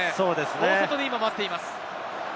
大外で待っています。